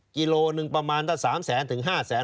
กิโลหนึ่งประมาณถ้า๓แสนถึง๕แสน